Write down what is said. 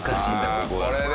ここは。